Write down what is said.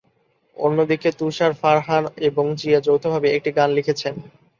অন্যদিকে তুষার, ফারহান এবং জিয়া যৌথভাবে একটি গান লিখেছেন।